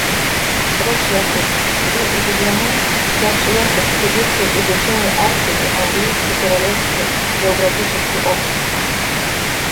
Хорош якут. Ви удивлены? Я чшлен экспедиции изучений Арктики Английски королевски географически общества.